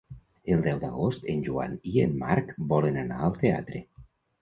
El deu d'agost en Joan i en Marc volen anar al teatre.